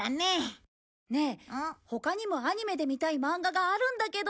ねえ他にもアニメで見たいマンガがあるんだけど。